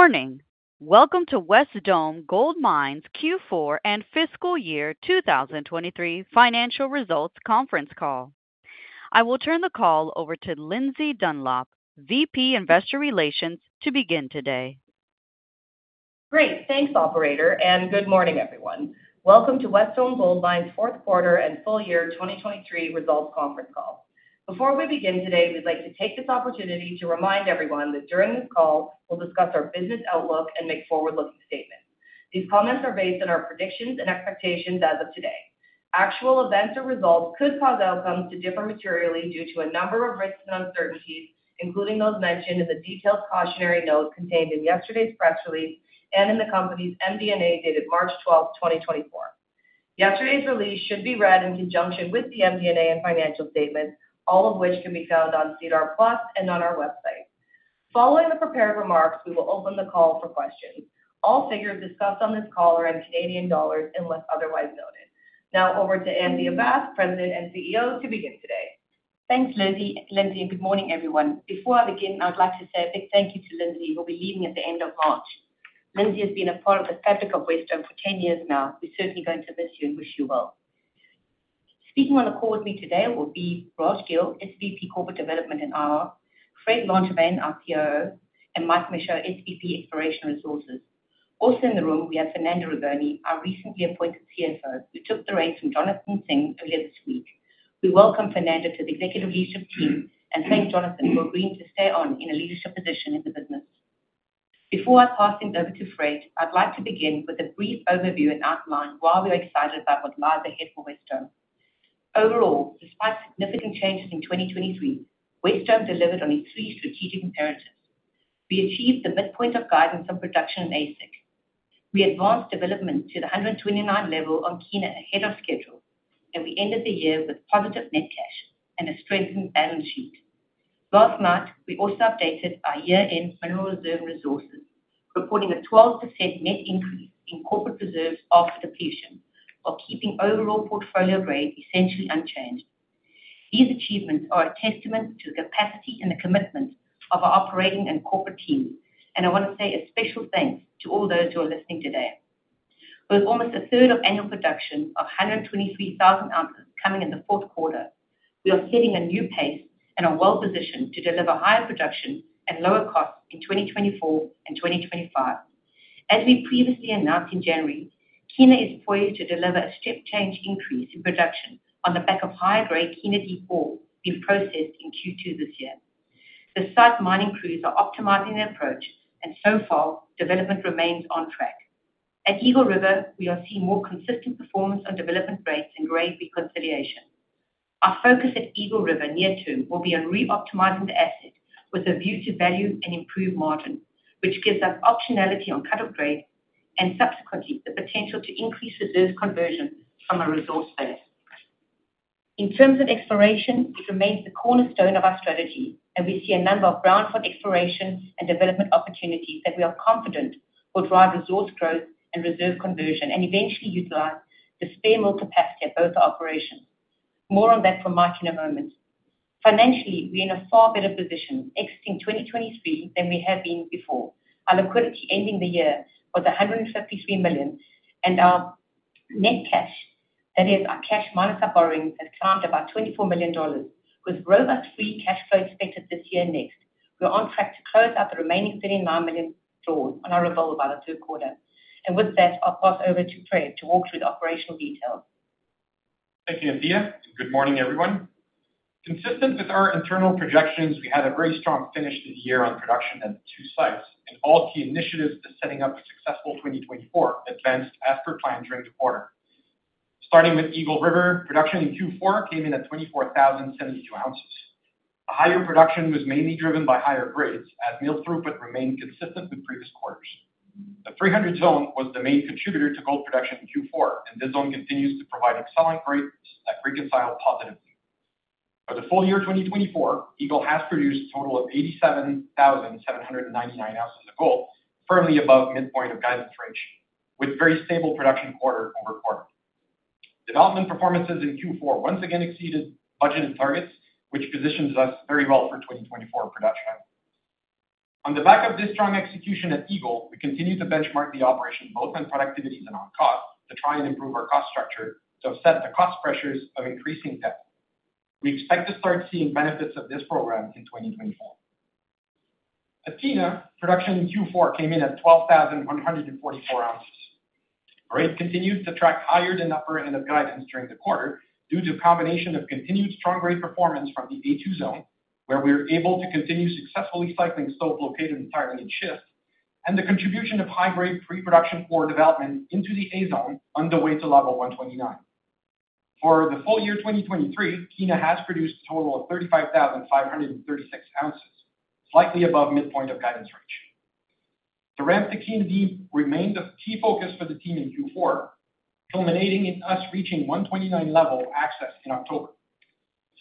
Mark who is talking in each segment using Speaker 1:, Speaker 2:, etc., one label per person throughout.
Speaker 1: Good morning. Welcome to Wesdome Gold Mines Q4 and Fiscal Year 2023 Financial Results Conference Call. I will turn the call over to Lindsay Dunlop, VP Investor Relations, to begin today.
Speaker 2: Great, thanks, operator, and good morning everyone. Welcome to Wesdome Gold Mines Q4 and FY 2023 Results Conference Call. Before we begin today, we'd like to take this opportunity to remind everyone that during this call we'll discuss our business outlook and make forward-looking statements. These comments are based on our predictions and expectations as of today. Actual events or results could cause outcomes to differ materially due to a number of risks and uncertainties, including those mentioned in the detailed cautionary note contained in yesterday's press release and in the company's MD&A dated March 12, 2024. Yesterday's release should be read in conjunction with the MD&A and financial statements, all of which can be found on SEDAR+ and on our website. Following the prepared remarks, we will open the call for questions. All figures discussed on this call are in Canadian dollars unless otherwise noted. Now over to Anthea Bath, President and CEO, to begin today.
Speaker 3: Thanks Lindsay, and good morning everyone. Before I begin, I would like to say a big thank you to Lindsay, who will be leaving at the end of March. Lindsay has been a part of the fabric of Wesdome for 10 years now. We're certainly going to miss you and wish you well. Speaking on the call with me today will be Raj Gill, SVP Corporate Development and IR, Fred Langevin, our COO, and Mike Michaud, SVP Exploration Resources. Also in the room we have Fernando Ragone, our recently appointed CFO, who took the reins from Jonathan Singh earlier this week. We welcome Fernando to the executive leadership team and thank Jonathan for agreeing to stay on in a leadership position in the business. Before I pass things over to Fred, I'd like to begin with a brief overview and outline why we're excited about what lies ahead for Wesdome. Overall, despite significant changes in 2023, Wesdome delivered on its three strategic imperatives. We achieved the midpoint of guidance on production in AISC. We advanced development to the 129 level on Kiena ahead of schedule, and we ended the year with positive net cash and a strengthened balance sheet. Last month, we also updated our year-end mineral reserve and resources, reporting a 12% net increase in corporate reserves after depletion, while keeping overall portfolio grade essentially unchanged. These achievements are a testament to the capacity and the commitment of our operating and corporate teams, and I want to say a special thanks to all those who are listening today. With almost a third of annual production of 123,000 ounces coming in the fourth quarter, we are setting a new pace and are well-positioned to deliver higher production and lower costs in 2024 and 2025. As we previously announced in January, Kiena is poised to deliver a step-change increase in production on the back of higher-grade Kiena Deep Ore being processed in Q2 this year. The site mining crews are optimizing their approach, and so far development remains on track. At Eagle River, we are seeing more consistent performance on development rates and grade reconciliation. Our focus at Eagle River near term will be on re-optimizing the asset with a view to value and improved margin, which gives us optionality on cut-off grade and subsequently the potential to increase reserve conversion from a resource space. In terms of exploration, it remains the cornerstone of our strategy, and we see a number of brownfield exploration and development opportunities that we are confident will drive resource growth and reserve conversion and eventually utilize the spare mill capacity at both our operations. More on that from Mike in a moment. Financially, we're in a far better position exiting 2023 than we have been before. Our liquidity ending the year was 153 million, and our net cash, that is, our cash minus our borrowings, has climbed about 24 million dollars, with robust free cash flow expected this year and next. We're on track to close out the remaining 39 million draws on our revolver by the third quarter. And with that, I'll pass over to Fred to walk through the operational details.
Speaker 4: Thank you, Anthea, and good morning everyone. Consistent with our internal projections, we had a very strong finish this year on production at the two sites, and all key initiatives are setting up a successful 2024 advanced as per plan during the quarter. Starting with Eagle River, production in Q4 came in at 24,072 ounces. A higher production was mainly driven by higher grades as mill throughput remained consistent with previous quarters. The 300 Zone was the main contributor to gold production in Q4, and this zone continues to provide excellent grades that reconcile positively. For the full year 2024, Eagle has produced a total of 87,799 ounces of gold, firmly above midpoint of guidance range, with very stable production quarter-over-quarter. Development performances in Q4 once again exceeded budgeted targets, which positions us very well for 2024 production. On the back of this strong execution at Eagle, we continue to benchmark the operation both on productivities and on cost to try and improve our cost structure to offset the cost pressures of increasing debt. We expect to start seeing benefits of this program in 2024. At Kiena, production in Q4 came in at 12,144 ounces. Our rate continued to track higher than upper end of guidance during the quarter due to a combination of continued strong grade performance from the A2 Zone, where we were able to continue successfully cycling stope located entirely in schist, and the contribution of high-grade pre-production ore development into the A2 Zone on the way to level 129. For the full year 2023, Kiena has produced a total of 35,536 ounces, slightly above midpoint of guidance range. The ramp to Kiena Deep remained a key focus for the team in Q4, culminating in us reaching 129 level access in October.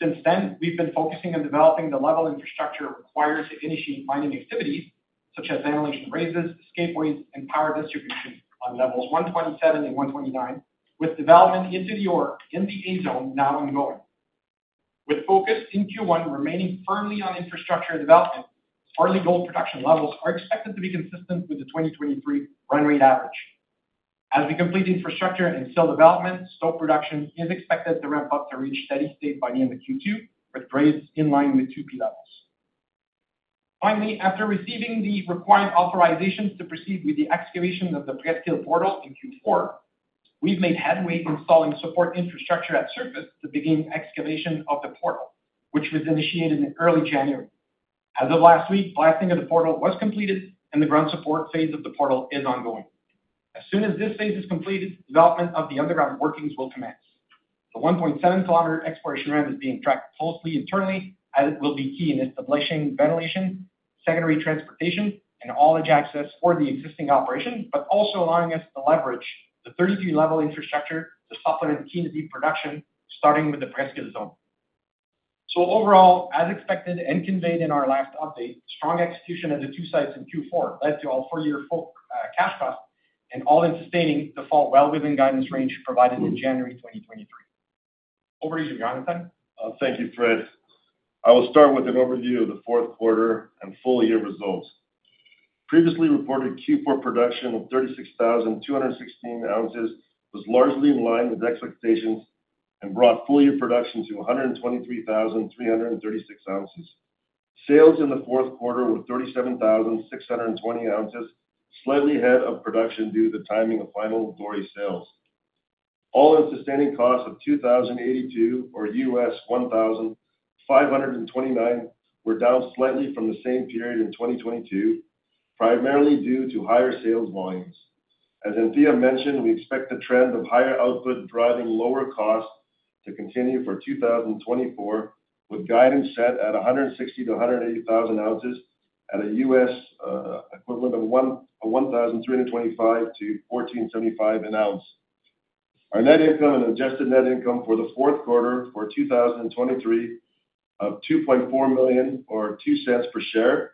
Speaker 4: Since then, we've been focusing on developing the level infrastructure required to initiate mining activities, such as ventilation raises, escapeways, and power distribution on levels 127 and 129, with development into the ore in the A2 Zone now ongoing. With focus in Q1 remaining firmly on infrastructure development, early gold production levels are expected to be consistent with the 2023 run rate average. As we complete infrastructure and cell development, stope production is expected to ramp up to reach steady state by the end of Q2, with grades in line with 2P levels. Finally, after receiving the required authorizations to proceed with the excavation of the Presqu'île portal in Q4, we've made headway installing support infrastructure at surface to begin excavation of the portal, which was initiated in early January. As of last week, blasting of the portal was completed, and the ground support phase of the portal is ongoing. As soon as this phase is completed, development of the underground workings will commence. The 1.7-kilometer exploration ramp is being tracked closely internally, as it will be key in establishing ventilation, secondary transportation, and muckage access for the existing operation, but also allowing us to leverage the 33-level infrastructure to supplement Kiena Deep production, starting with the Presqu'île zone. Overall, as expected and conveyed in our last update, strong execution at the two sites in Q4 led to record full-year cash costs and all-in sustaining costs falling well within guidance range provided in January 2023. Over to you, Jonathan.
Speaker 5: Thank you, Fred. I will start with an overview of the fourth quarter and full-year results. Previously reported Q4 production of 36,216 ounces was largely in line with expectations and brought full-year production to 123,336 ounces. Sales in the fourth quarter were 37,620 ounces, slightly ahead of production due to the timing of final Doré sales. All-in sustaining costs of 2,082 or $1,529 were down slightly from the same period in 2022, primarily due to higher sales volumes. As Anthea mentioned, we expect the trend of higher output driving lower costs to continue for 2024, with guidance set at 160,000-180,000 ounces at a US equivalent of $1,325-$1,475 an ounce. Our net income and adjusted net income for the fourth quarter for 2023 of 2.4 million or 0.02 per share.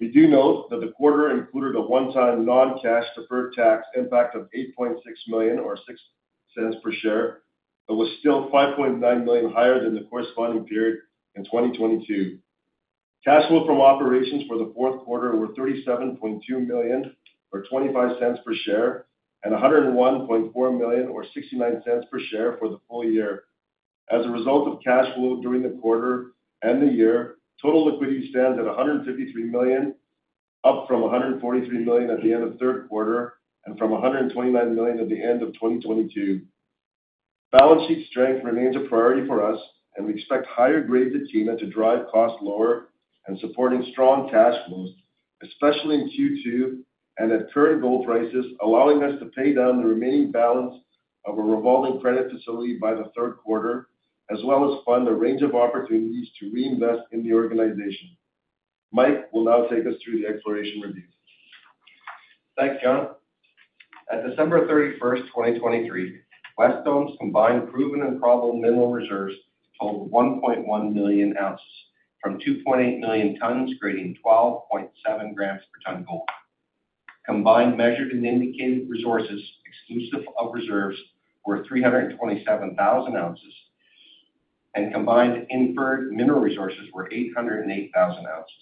Speaker 5: We do note that the quarter included a one-time non-cash deferred tax impact of 8.6 million or 0.06 per share, but was still 5.9 million higher than the corresponding period in 2022. Cash flow from operations for the fourth quarter were 37.2 million or 0.25 per share and 101.4 million or 0.69 per share for the full year. As a result of cash flow during the quarter and the year, total liquidity stands at 153 million, up from 143 million at the end of third quarter and from 129 million at the end of 2022. Balance sheet strength remains a priority for us, and we expect higher grades at Kiena to drive costs lower and support strong cash flows, especially in Q2 and at current gold prices, allowing us to pay down the remaining balance of a revolving credit facility by the third quarter, as well as fund a range of opportunities to reinvest in the organization. Mike will now take us through the exploration review.
Speaker 6: Thanks, John. At December 31, 2023, Wesdome's combined proven and probable mineral reserves totaled 1.1 million ounces from 2.8 million tons, grading 12.7 grams per ton gold. Combined measured and indicated resources exclusive of reserves were 327,000 ounces, and combined inferred mineral resources were 808,000 ounces.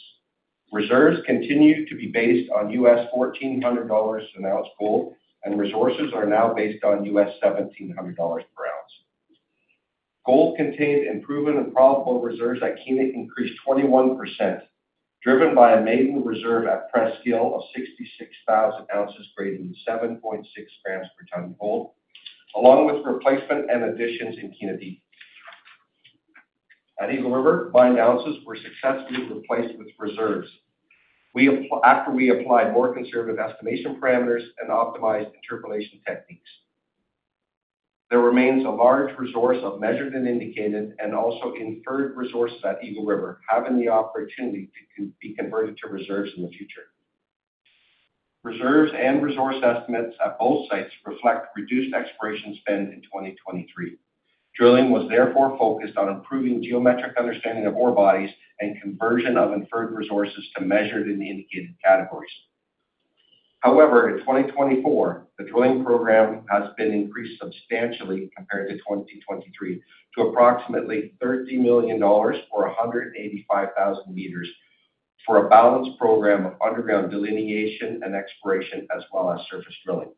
Speaker 6: Reserves continue to be based on $1,400 an ounce gold, and resources are now based on $1,700 per ounce. Gold contained in proven and probable reserves at Kiena increased 21%, driven by a maiden reserve at Kiena Tail of 66,000 ounces, grading 7.6 grams per ton gold, along with replacement and additions in Kiena Deep. At Eagle River, mined ounces were successfully replaced with reserves after we applied more conservative estimation parameters and optimized interpolation techniques. There remains a large resource of measured and indicated and also inferred resources at Eagle River having the opportunity to be converted to reserves in the future. Reserves and resource estimates at both sites reflect reduced exploration spend in 2023. Drilling was therefore focused on improving geometric understanding of ore bodies and conversion of inferred resources to measured and indicated categories. However, in 2024, the drilling program has been increased substantially compared to 2023 to approximately 30 million dollars or 185,000 meters for a balanced program of underground delineation and exploration as well as surface drilling.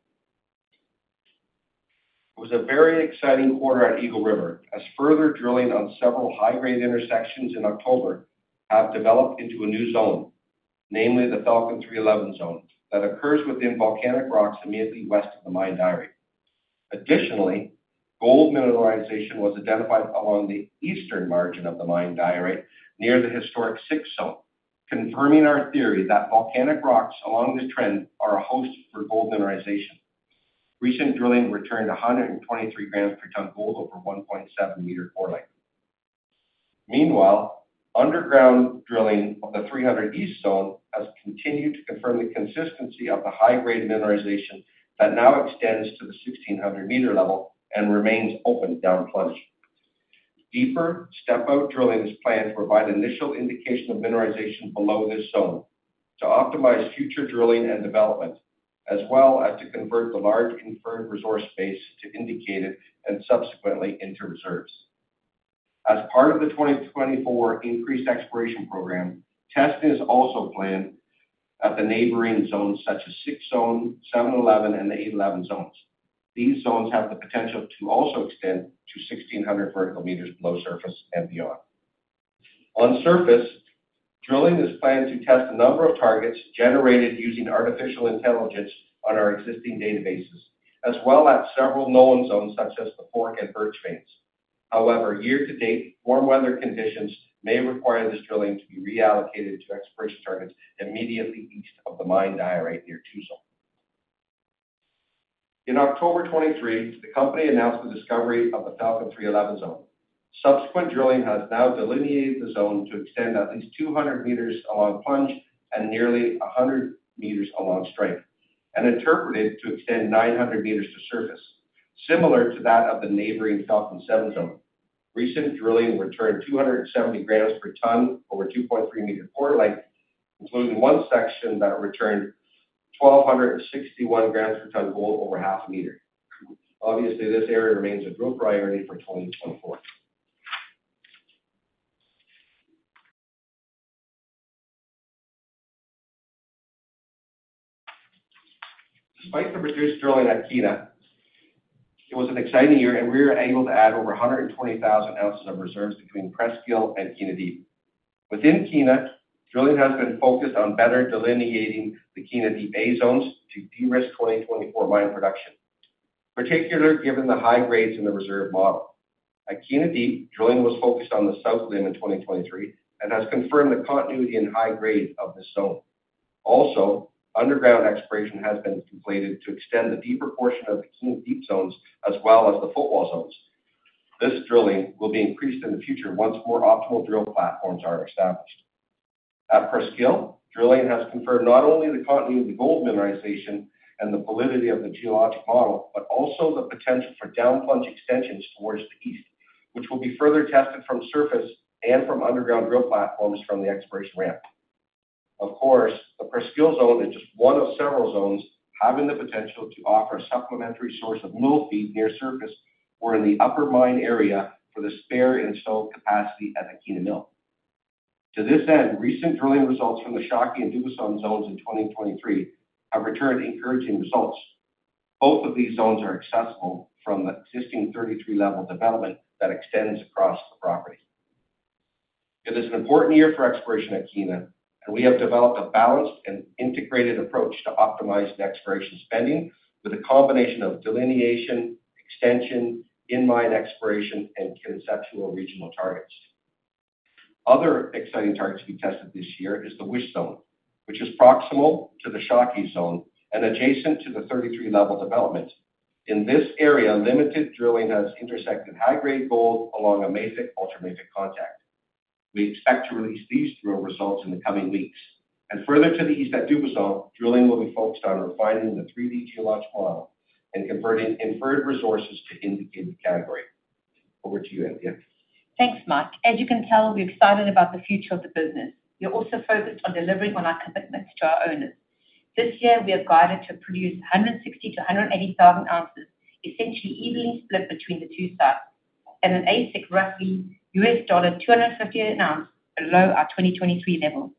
Speaker 6: It was a very exciting quarter at Eagle River as further drilling on several high-grade intersections in October have developed into a new zone, namely the Falcon 311 Zone that occurs within volcanic rocks immediately west of the mine diorite. Additionally, gold mineralization was identified along the eastern margin of the mine diorite near the historic 6 Zone, confirming our theory that volcanic rocks along this trend are a host for gold mineralization. Recent drilling returned 123 grams per ton gold over 1.7-meter core length. Meanwhile, underground drilling of the 300 East Zone has continued to confirm the consistency of the high-grade mineralization that now extends to the 1,600-meter level and remains open down plunge. Deeper step-out drilling is planned to provide initial indication of mineralization below this zone to optimize future drilling and development, as well as to convert the large inferred resource space to indicated and subsequently into reserves. As part of the 2024 increased exploration program, testing is also planned at the neighboring zones such as 6 Zone, 711, and the 811 zones. These zones have the potential to also extend to 1,600 vertical meters below surface and beyond. On surface, drilling is planned to test a number of targets generated using artificial intelligence on our existing databases, as well as several known zones such as the Fork and Birch Veins. However, year to date, warm weather conditions may require this drilling to be reallocated to exploration targets immediately east of the mine dyke near 2 Zones. In October 2023, the company announced the discovery of the Falcon 311 Zone. Subsequent drilling has now delineated the zone to extend at least 200 m along plunge and nearly 100 m along strike, and interpreted to extend 900 m to surface, similar to that of the neighboring Falcon 7 Zone. Recent drilling returned 270 grams per ton over 2.3-m core length, including one section that returned 1,261 grams per ton gold over 0.5 m. Obviously, this area remains a drill priority for 2024. Despite the reduced drilling at Kiena, it was an exciting year, and we were able to add over 120,000 ounces of reserves between Presqu'île and Kiena Deep. Within Kiena, drilling has been focused on better delineating the Kiena Deep A2 Zone to de-risk 2024 mine production, particularly given the high grades in the reserve model. At Kiena Deep, drilling was focused on the south limb in 2023 and has confirmed the continuity and high grade of this zone. Also, underground exploration has been completed to extend the deeper portion of the Kiena Deep zones as well as the footwall zones. This drilling will be increased in the future once more optimal drill platforms are established. At Presqu'île, drilling has confirmed not only the continuity of the gold mineralization and the validity of the geologic model, but also the potential for down plunge extensions towards the east, which will be further tested from surface and from underground drill platforms from the exploration ramp. Of course, the Presqu'île zone is just one of several zones having the potential to offer a supplementary source of mill feed near surface or in the upper mine area for the spare installed capacity at the Kiena Mill. To this end, recent drilling results from the Shawkey and Dubuisson zones in 2023 have returned encouraging results. Both of these zones are accessible from the existing 33-level development that extends across the property. It is an important year for exploration at Kiena, and we have developed a balanced and integrated approach to optimize the exploration spending with a combination of delineation, extension, in-mine exploration, and conceptual regional targets. Other exciting targets to be tested this year are the Wish Zone, which is proximal to the Shawkey Zone and adjacent to the 33-level development. In this area, limited drilling has intersected high-grade gold along a mafic/ultramafic contact. We expect to release these drill results in the coming weeks. And further to the east at Dubuisson, drilling will be focused on refining the 3D geologic model and converting inferred resources to indicated category. Over to you, Anthea.
Speaker 3: Thanks, Mike. As you can tell, we're excited about the future of the business. We're also focused on delivering on our commitments to our owners. This year, we are guided to produce 160,000-180,000 ounces, essentially evenly split between the two sites, at an AISC roughly $258 an ounce below our 2023 level.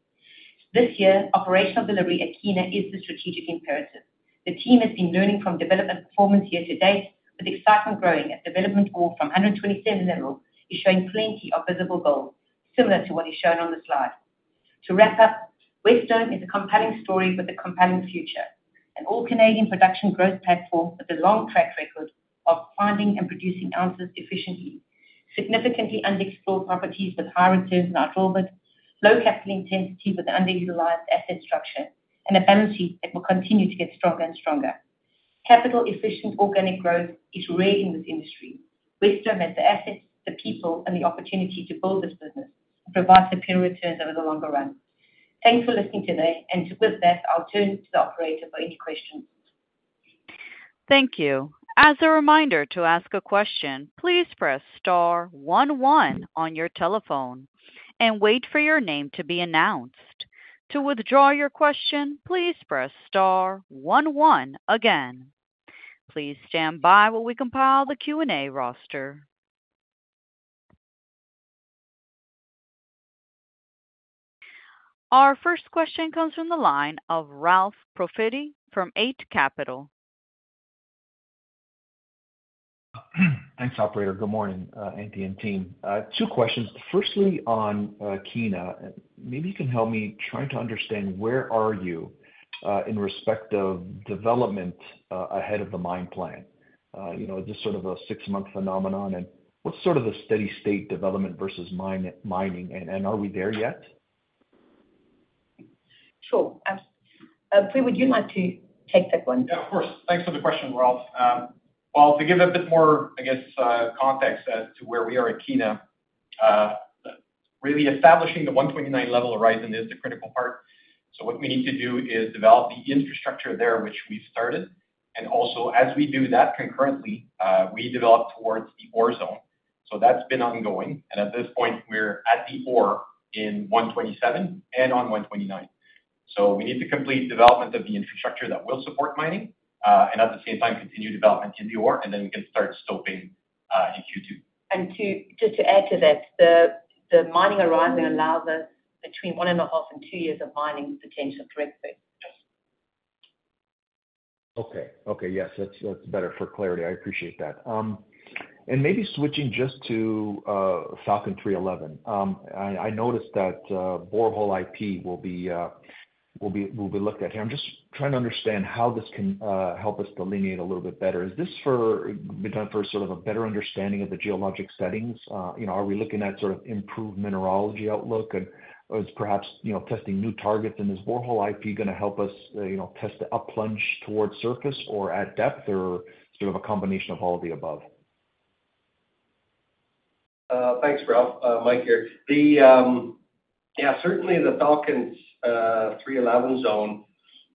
Speaker 3: This year, operational delivery at Kiena is the strategic imperative. The team has been learning from development performance year to date, with excitement growing as development ore from 127 level is showing plenty of visible gold, similar to what is shown on the slide. To wrap up, Wesdome is a compelling story with a compelling future, an all-Canadian production growth platform with a long track record of finding and producing ounces efficiently, significantly unexplored properties with high returns in our drill bit, low capital intensity with an underutilized asset structure, and a balance sheet that will continue to get stronger and stronger. Capital-efficient organic growth is rare in this industry. Wesdome has the assets, the people, and the opportunity to build this business and provide superior returns over the longer run. Thanks for listening today, and with that, I'll turn to the operator for any questions.
Speaker 1: Thank you. As a reminder to ask a question, please press star 11 on your telephone and wait for your name to be announced. To withdraw your question, please press star 11 again. Please stand by while we compile the Q&A roster. Our first question comes from the line of Ralph Profiti from Eight Capital.
Speaker 7: Thanks, operator. Good morning, Anthea and team. Two questions. Firstly, on Kiena, maybe you can help me try to understand where are you in respect of development ahead of the mine plan? Is this sort of a six-month phenomenon, and what's sort of the steady-state development versus mining, and are we there yet?
Speaker 3: Sure. Fred, would you like to take that one?
Speaker 4: Yeah, of course. Thanks for the question, Ralph. Well, to give a bit more, I guess, context as to where we are at Kiena, really establishing the 129 level horizon is the critical part. So what we need to do is develop the infrastructure there, which we've started. And also, as we do that concurrently, we develop towards the ore zone. So that's been ongoing. And at this point, we're at the ore in 127 and on 129. So we need to complete development of the infrastructure that will support mining and, at the same time, continue development in the ore, and then we can start stoping in Q2.
Speaker 3: Just to add to that, the mining horizon allows us between 1.5 and 2 years of mining potential to recover.
Speaker 7: Okay. Okay. Yes, that's better for clarity. I appreciate that. Maybe switching just to Falcon 311, I noticed that borehole IP will be looked at here. I'm just trying to understand how this can help us delineate a little bit better. Is this done for sort of a better understanding of the geologic settings? Are we looking at sort of improved mineralogy outlook, or is perhaps testing new targets? And is borehole IP going to help us test the up plunge towards surface or at depth, or sort of a combination of all of the above?
Speaker 6: Thanks, Ralph. Mike here. Yeah, certainly, the Falcon 311 Zone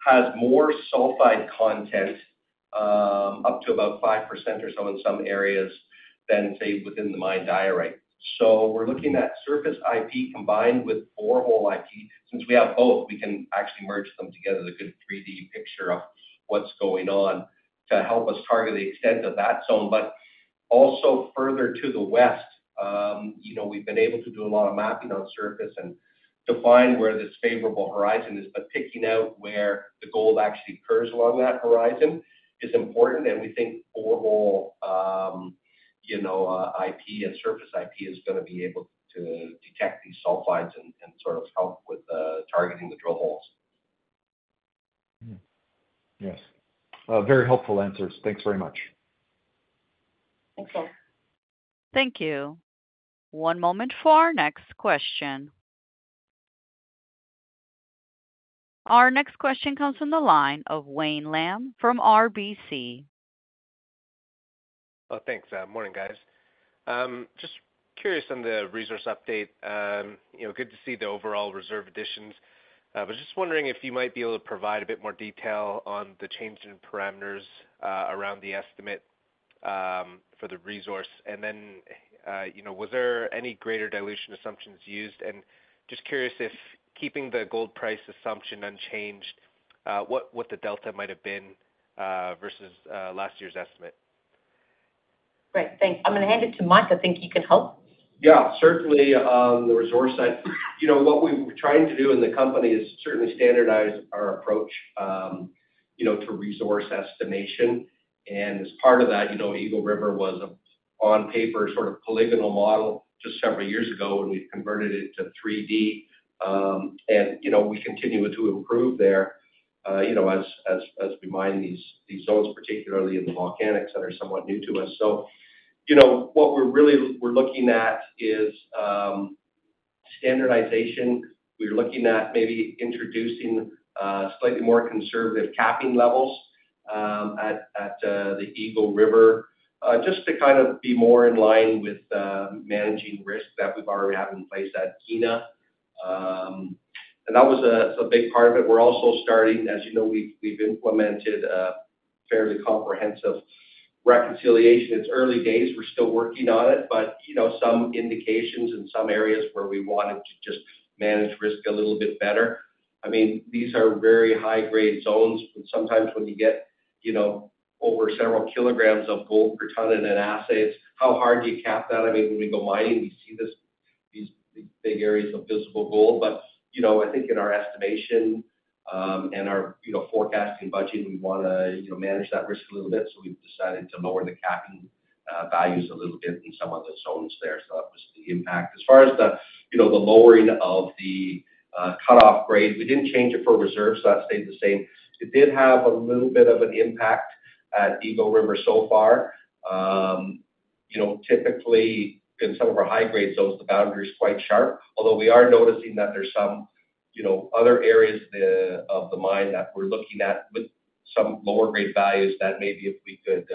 Speaker 6: has more sulfide content, up to about 5% or so in some areas than, say, within the main dyke. So we're looking at surface IP combined with borehole IP. Since we have both, we can actually merge them together to get a good 3D picture of what's going on to help us target the extent of that zone. But also, further to the west, we've been able to do a lot of mapping on surface and define where this favorable horizon is. But picking out where the gold actually occurs along that horizon is important. And we think borehole IP and surface IP is going to be able to detect these sulfides and sort of help with targeting the drill holes.
Speaker 7: Yes. Very helpful answers. Thanks very much.
Speaker 3: Thanks, all.
Speaker 1: Thank you. One moment for our next question. Our next question comes from the line of Wayne Lam from RBC.
Speaker 8: Thanks. Morning, guys. Just curious on the resource update. Good to see the overall reserve additions, but just wondering if you might be able to provide a bit more detail on the change in parameters around the estimate for the resource. And then was there any greater dilution assumptions used? And just curious if keeping the gold price assumption unchanged, what the delta might have been versus last year's estimate.
Speaker 3: Great. Thanks. I'm going to hand it to Mike. I think you can help.
Speaker 6: Yeah, certainly, on the resource side, what we've been trying to do in the company is certainly standardize our approach to resource estimation. And as part of that, Eagle River was on paper sort of polygonal model just several years ago, and we've converted it to 3D. And we continue to improve there as we mine these zones, particularly in the volcanics that are somewhat new to us. So what we're looking at is standardization. We're looking at maybe introducing slightly more conservative capping levels at the Eagle River just to kind of be more in line with managing risk that we've already had in place at Kiena. And that's a big part of it. We're also starting as you know, we've implemented a fairly comprehensive reconciliation. It's early days. We're still working on it, but some indications in some areas where we wanted to just manage risk a little bit better. I mean, these are very high-grade zones. Sometimes when you get over several kilograms of gold per ton in an assay, it's how hard do you cap that? I mean, when we go mining, we see these big areas of visible gold. But I think in our estimation and our forecasting budget, we want to manage that risk a little bit. So we've decided to lower the capping values a little bit in some of the zones there. So that was the impact. As far as the lowering of the cut-off grade, we didn't change it for reserve, so that stayed the same. It did have a little bit of an impact at Eagle River so far. Typically, in some of our high-grade zones, the boundary is quite sharp, although we are noticing that there's some other areas of the mine that we're looking at with some lower-grade values that maybe if we could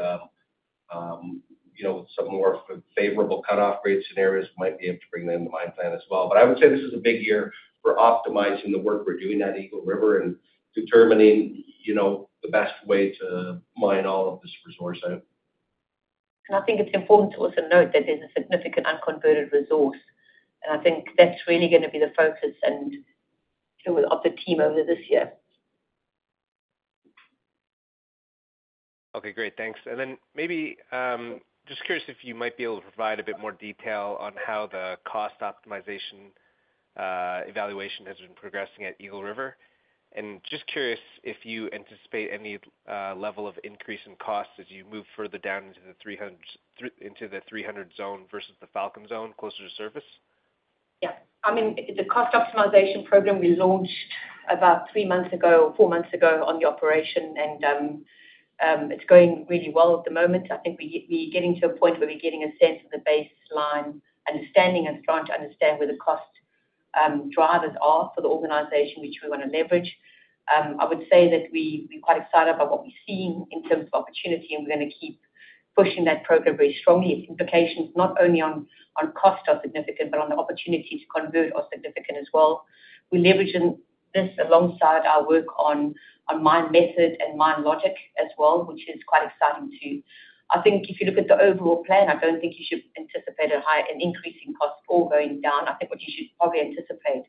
Speaker 6: with some more favorable cut-off grade scenarios, we might be able to bring that into the mine plan as well. But I would say this is a big year for optimizing the work we're doing at Eagle River and determining the best way to mine all of this resource out.
Speaker 3: I think it's important to also note that this is a significant unconverted resource. I think that's really going to be the focus of the team over this year.
Speaker 8: Okay. Great. Thanks. And then maybe just curious if you might be able to provide a bit more detail on how the cost optimization evaluation has been progressing at Eagle River. And just curious if you anticipate any level of increase in costs as you move further down into the 300 zone versus the Falcon zone closer to surface?
Speaker 3: Yeah. I mean, the cost optimization program, we launched about 3 months ago or 4 months ago on the operation, and it's going really well at the moment. I think we're getting to a point where we're getting a sense of the baseline understanding and starting to understand where the cost drivers are for the organization, which we want to leverage. I would say that we're quite excited about what we're seeing in terms of opportunity, and we're going to keep pushing that program very strongly. Its implications, not only on cost are significant, but on the opportunities to convert are significant as well. We're leveraging this alongside our work on mine method and mine logic as well, which is quite exciting too. I think if you look at the overall plan, I don't think you should anticipate an increasing cost or going down. I think what you should probably anticipate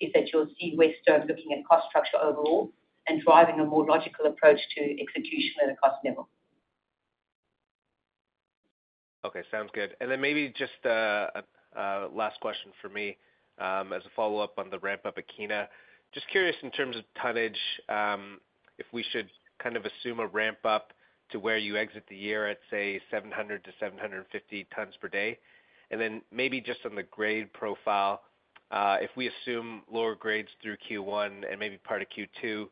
Speaker 3: is that you'll see Wesdome looking at cost structure overall and driving a more logical approach to execution at a cost level.
Speaker 8: Okay. Sounds good. And then maybe just a last question for me as a follow-up on the ramp-up at Kiena. Just curious in terms of tonnage, if we should kind of assume a ramp-up to where you exit the year at, say, 700-750 tons per day. And then maybe just on the grade profile, if we assume lower grades through Q1 and maybe part of Q2,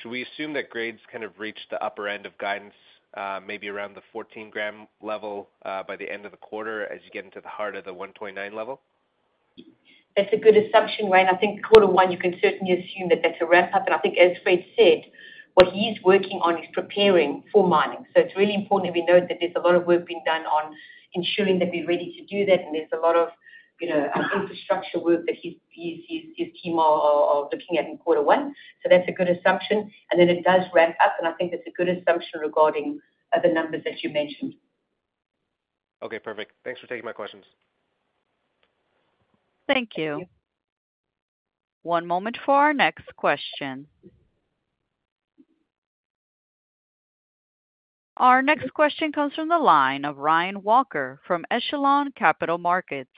Speaker 8: should we assume that grades kind of reach the upper end of guidance, maybe around the 14-gram level by the end of the quarter as you get into the heart of the 129 level?
Speaker 3: That's a good assumption, Wayne. I think quarter one, you can certainly assume that that's a ramp-up. And I think as Fred said, what he's working on is preparing for mining. So it's really important that we note that there's a lot of work being done on ensuring that we're ready to do that, and there's a lot of infrastructure work that his team are looking at in quarter one. So that's a good assumption. And then it does ramp up, and I think that's a good assumption regarding the numbers that you mentioned.
Speaker 8: Okay. Perfect. Thanks for taking my questions.
Speaker 1: Thank you. One moment for our next question. Our next question comes from the line of Ryan Walker from Echelon Capital Markets.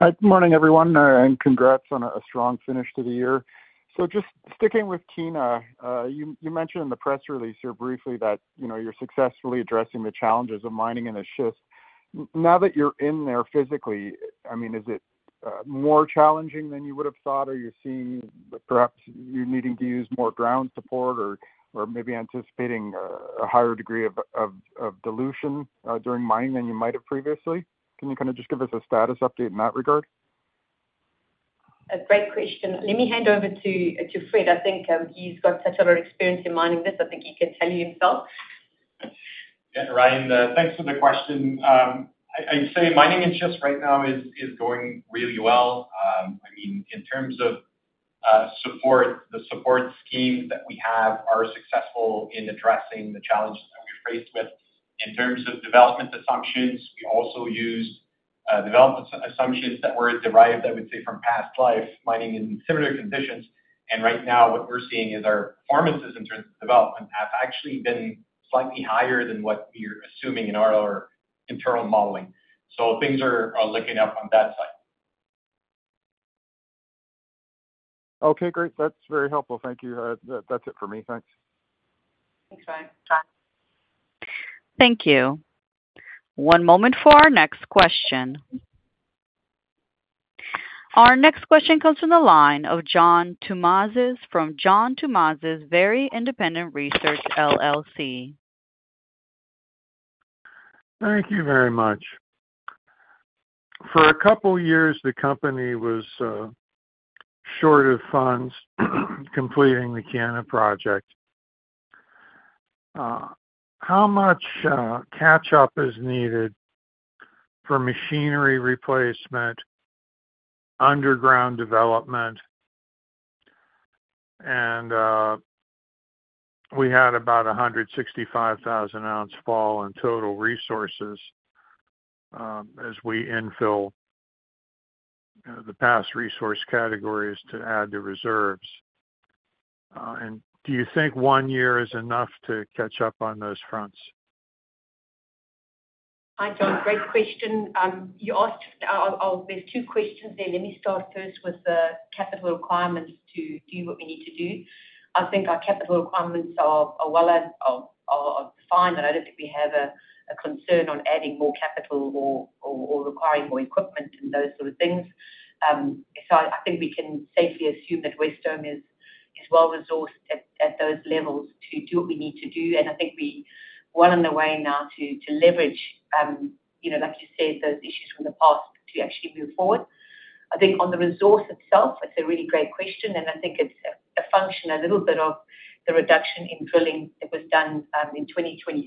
Speaker 9: Good morning, everyone, and congrats on a strong finish to the year. So just sticking with Kiena, you mentioned in the press release here briefly that you're successfully addressing the challenges of mining and the shift. Now that you're in there physically, I mean, is it more challenging than you would have thought, or are you seeing perhaps you're needing to use more ground support or maybe anticipating a higher degree of dilution during mining than you might have previously? Can you kind of just give us a status update in that regard?
Speaker 3: A great question. Let me hand over to Fred. I think he's got such a lot of experience in mining this. I think he can tell you himself.
Speaker 4: Yeah, Ryan, thanks for the question. I'd say mining and shift right now is going really well. I mean, in terms of support, the support schemes that we have are successful in addressing the challenges that we're faced with. In terms of development assumptions, we also used development assumptions that were derived, I would say, from past life mining in similar conditions. And right now, what we're seeing is our performances in terms of development have actually been slightly higher than what we're assuming in our internal modeling. So things are looking up on that side.
Speaker 9: Okay. Great. That's very helpful. Thank you. That's it for me. Thanks.
Speaker 3: Thanks, Ryan.
Speaker 1: Thank you. One moment for our next question. Our next question comes from the line of John Tumazos from John Tumazos Very Independent Research, LLC.
Speaker 10: Thank you very much. For a couple of years, the company was short of funds completing the Kiena project. How much catch-up is needed for machinery replacement, underground development? We had about 165,000 ounces fall in total resources as we infill the past resource categories to add to reserves. Do you think one year is enough to catch up on those fronts?
Speaker 3: Hi, John. Great question. There's 2 questions there. Let me start first with the capital requirements to do what we need to do. I think our capital requirements are well defined, and I don't think we have a concern on adding more capital or requiring more equipment and those sort of things. So I think we can safely assume that Wesdome is well-resourced at those levels to do what we need to do. And I think we're well on the way now to leverage, like you said, those issues from the past to actually move forward. I think on the resource itself, it's a really great question, and I think it's a function a little bit of the reduction in drilling that was done in 2023,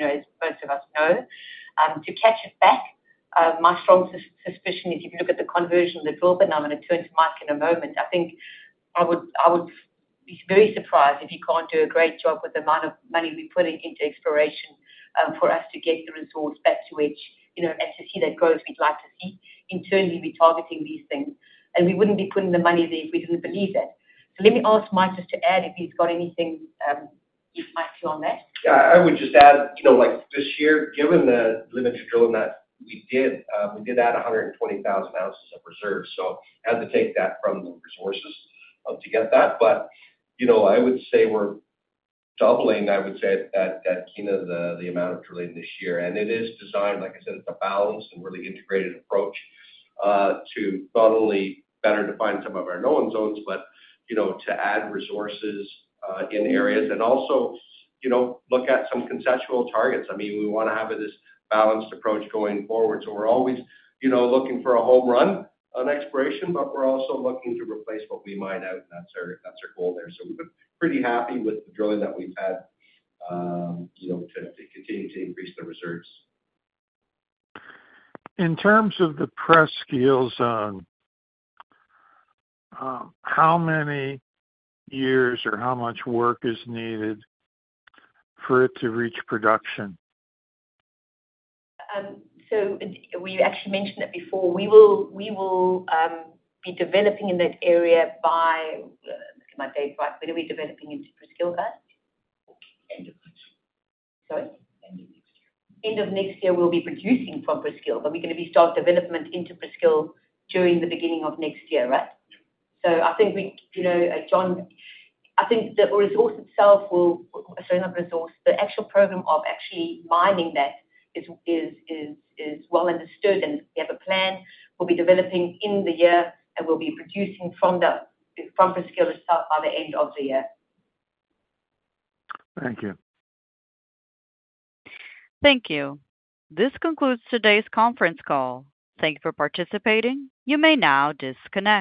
Speaker 3: as most of us know, to catch it back. My strong suspicion is if you look at the conversion of the drill bit - and I'm going to turn to Mike in a moment - I think I would be very surprised if you can't do a great job with the amount of money we're putting into exploration for us to get the resource back to edge and to see that growth we'd like to see internally retargeting these things. And we wouldn't be putting the money there if we didn't believe that. So let me ask Mike just to add if he's got anything he might see on that.
Speaker 6: Yeah. I would just add this year, given the limited drilling that we did, we did add 120,000 ounces of reserves. So I had to take that from the resources to get that. But I would say we're doubling, I would say, at Kiena the amount of drilling this year. And it is designed like I said, it's a balanced and really integrated approach to not only better define some of our known zones but to add resources in areas and also look at some conceptual targets. I mean, we want to have this balanced approach going forward. So we're always looking for a home run on exploration, but we're also looking to replace what we mine out, and that's our goal there. So we're pretty happy with the drilling that we've had to continue to increase the reserves.
Speaker 10: In terms of the Press Scale Zone, how many years or how much work is needed for it to reach production?
Speaker 3: We actually mentioned it before. We will be developing in that area by let's get my date right. When are we developing into Presqu'île first?
Speaker 4: End of next year.
Speaker 3: Sorry?
Speaker 4: End of next year.
Speaker 3: End of next year, we'll be producing from Presqu'île, but we're going to be starting development into Presqu'île during the beginning of next year, right?
Speaker 4: Yep.
Speaker 3: So I think we, John, I think the resource itself will, sorry, not resource. The actual program of actually mining that is well understood, and we have a plan. We'll be developing in the year, and we'll be producing from Presqu'île itself by the end of the year.
Speaker 10: Thank you.
Speaker 1: Thank you. This concludes today's conference call. Thank you for participating. You may now disconnect.